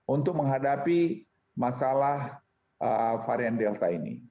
untuk menghadapi masalah varian delta ini